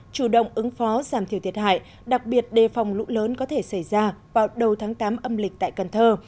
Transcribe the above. chủ động ứng phó giảm thiểu thiệt hại đặc biệt đề phòng lũ lớn có thể xảy ra vào đầu tháng tám âm lịch tại cần thơ